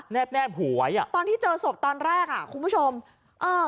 แบไว้อ่ะตอนที่เจอศพตอนแรกอ่ะคุณผู้ชมเอ่อ